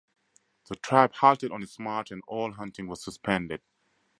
The tribe halted on its march and all hunting was suspended.